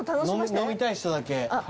飲みたい人だけ。